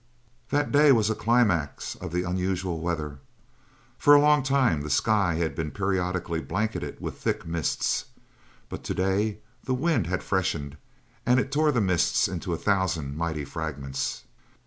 That day was a climax of the unusual weather. For a long time the sky had been periodically blanketed with thick mists, but to day the wind had freshened and it tore the mists into a thousand mighty fragments.